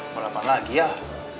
balapan lagi yah